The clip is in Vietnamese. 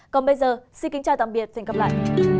còn bây giờ xin kính chào tạm biệt và hẹn gặp lại